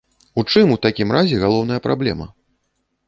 У чым, у такім разе, галоўная праблема?